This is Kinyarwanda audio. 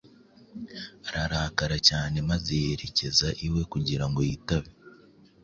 ararakara cyane maze yerekeza iwe kugira ngo yitabe